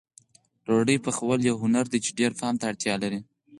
د ډوډۍ پخول یو هنر دی چې ډېر پام ته اړتیا لري.